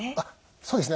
そうですね。